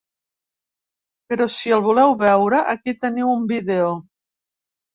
Per si el voleu veure, aquí teniu un vídeo.